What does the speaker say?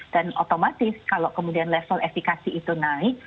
dan otomatis kalau kemudian level efekasi itu naik